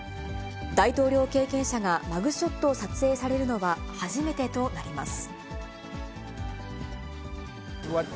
大統領経験者がマグショットを撮影されるのは初めてとなります。